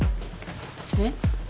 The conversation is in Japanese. えっ？